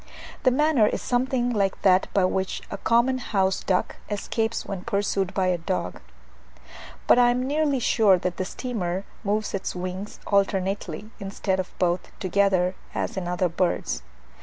The manner is something like that by which the common house duck escapes when pursued by a dog; but I am nearly sure that the steamer moves its wings alternately, instead of both together, as in other birds.